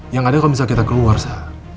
yang penting kalau misalkan kita keluar sa